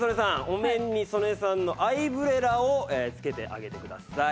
お面に曽根さんのアイブレラをつけてあげてください。